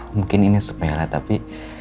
mungkin ini sepelah tapi